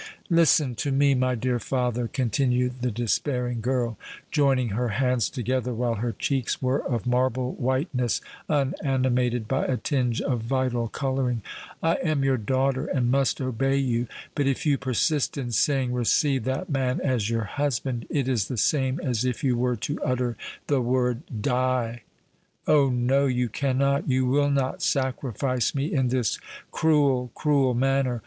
"Listen to me, my dear father," continued the despairing girl, joining her hands together, while her cheeks were of marble whiteness, unanimated by a tinge of vital colouring,—"I am your daughter, and must obey you; but if you persist in saying, 'Receive that man as your husband,' it is the same as if you were to utter the word, 'Die!' Oh! no—you cannot—you will not sacrifice me in this cruel, cruel manner!